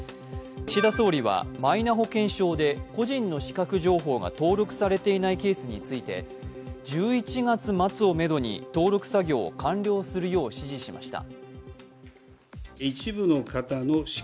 岸田総理はマイナ保険証で個人の資格情報が登録されていないケースについて１１月末をめどに登録作業を完了するよう指示しました。